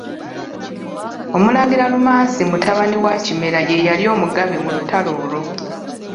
Omulangira Lumansi mutabani wa Kimera ye yali omugabe mu lutalo olwo.